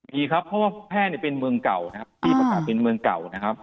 มีครับเพราะแพร่เป็นเมืองเก่านะครับ